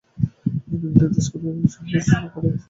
এবং নিম্ন দেশগুলোর সামরিক কমান্ডার হিসাবে নিজেদের চিহ্নিত করেছিলেন।